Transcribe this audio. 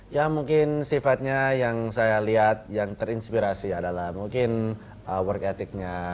ya mungkin sifatnya yang saya lihat yang terinspirasi adalah mungkin work ethic nya